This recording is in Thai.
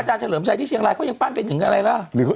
ที่เชียงลายเขายังปั้นเป็นอย่างไรแล้ว